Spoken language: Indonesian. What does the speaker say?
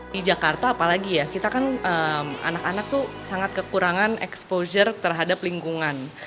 di jakarta apalagi ya kita kan anak anak tuh sangat kekurangan exposure terhadap lingkungan